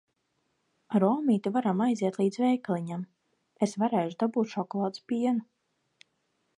Ar omīti varam aiziet līdz veikaliņam. Es varēšu dabūt šokolādes pienu.